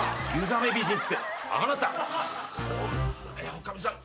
女将さん。